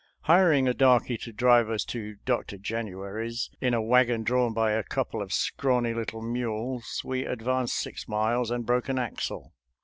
Hir ing a darky to drive us to Dr. January's in a wagon drawn by a couple of scrawny little mules, we advanced six miles and broke an axle.